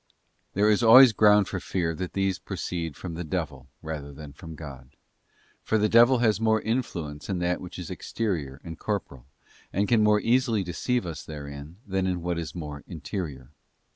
There is always ground for fear that these proceed from the devil rather than from God; for the devil has more influence in that which is exterior and corporeal, and can more easily deceive us therein than in what is more interior.